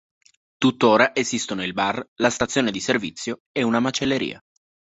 Tuttora esistono il bar, la stazione di servizio e una macelleria.